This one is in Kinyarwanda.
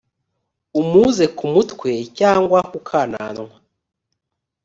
umuze ku mutwe cyangwa ku kananwa